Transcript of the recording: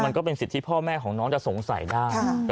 ก็เป็นสิทธิ์ที่พ่อแม่ของน้องจะสงสัยได้